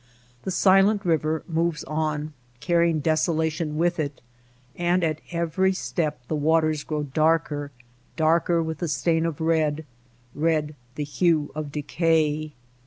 The Silent Eiver moves on carrying desolation with it ; and at every step the waters grow darker, darker with the stain of red — red the hue of decay.